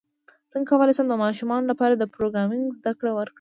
څنګه کولی شم د ماشومانو لپاره د پروګرامینګ زدکړه ورکړم